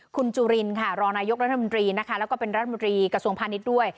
คุณจุลินค่ะรองนายกรัฐมนตรีนะคะแล้วก็เป็นรัฐมนตรีกระทรวงพาณิชย์ด้วย